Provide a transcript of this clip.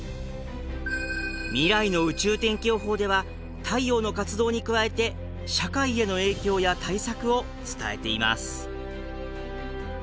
未来の宇宙天気予報では太陽の活動に加えて社会への影響や対策を伝えています。